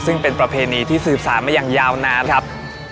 ซึ่งเป็นประเพณีที่สืบสารมาอย่างยาวนานครับ